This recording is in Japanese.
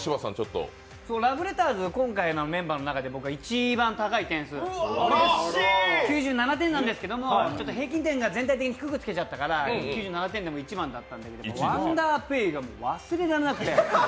ラブレターズ、今回のメンバーの中で一番高い点数、９７点なんですけど平均点が全体的に高くつけちゃったからワンダーペイが忘れられなくて。